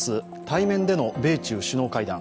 対面での米中首脳会談。